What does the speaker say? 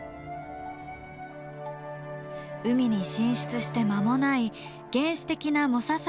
海に進出して間もない原始的なモササウルスの化石。